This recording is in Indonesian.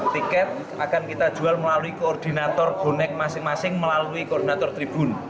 tiket akan kita jual melalui koordinator bonek masing masing melalui koordinator tribun